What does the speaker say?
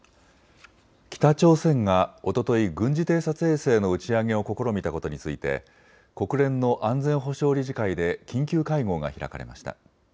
北朝鮮がおととい軍事偵察衛星の打ち上げを試みたことについて国連の安全保障理事会で緊急会合が開かれました。